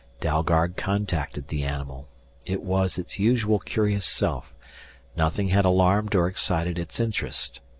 Dalgard contacted the animal. It was its usual curious self, nothing had alarmed or excited its interest.